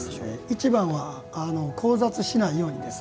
一番は交雑しないように。